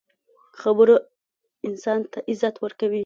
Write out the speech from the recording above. خبرو انسان ته عزت ورکوي.